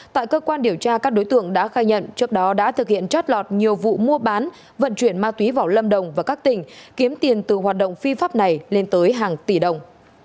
tại cơ quan điều tra các đối tượng đã khai nhận trước đó đã thực hiện trót lọt nhiều vụ mua bán vận chuyển ma túy vào lâm đồng và các tỉnh kiếm tiền từ hoạt động phi pháp này lên tới hàng tỷ đồng